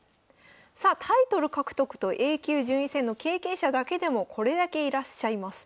さあタイトル獲得とＡ級順位戦の経験者だけでもこれだけいらっしゃいます。